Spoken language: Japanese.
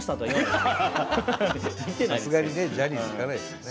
さすがにジャニーズ行かないですよね。